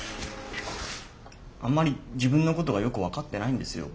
あんまり自分のことがよく分かってないんですよ